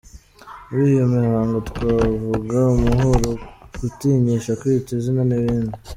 Muri iyo mihango twavuga Umuhuro, gutinyisha, kwita izina n’iyindi.